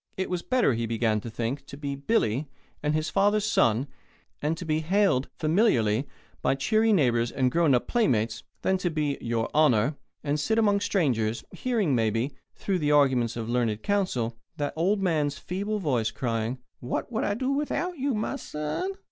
It was better, he began to think, to be "Billy" and his father's son, and to be hailed familiarly by cheery neighbours and grown up playmates, than to be "Your Honour," and sit among strangers, hearing, maybe, through the arguments of learned counsel, that old man's feeble voice crying: "What would I do without you, my son?"